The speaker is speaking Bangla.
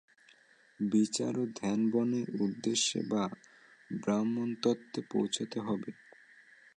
বিচার ও ধ্যানবলে উদ্দেশ্য বা ব্রহ্মতত্ত্বে পৌঁছুতে হবে।